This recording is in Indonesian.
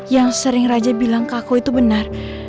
yang sering raja bilang ke aku itu benar